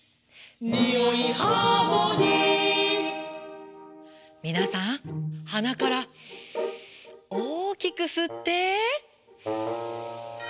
「においハーモニー」みなさんはなからおおきくすって。